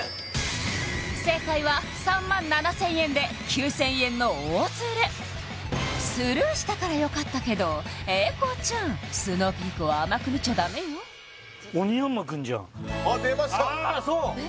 正解は３万７０００円で９０００円の大ズレスルーしたからよかったけど英孝ちゃんＳｎｏｗＰｅａｋを甘く見ちゃダメよあっ出ましたああそう！